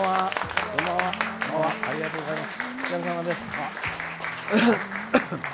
ありがとうございます。